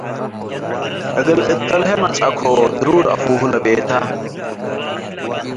እግል እትተልሄ መጽአኮ ድሩር አፍሁ ለቤተ